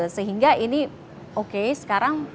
sehingga ini oke sekarang